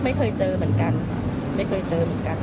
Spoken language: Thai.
ไม่เคยเจอเหมือนกันไม่เคยเจอเหมือนกัน